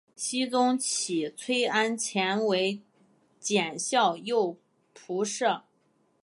僖宗起崔安潜为检校右仆射。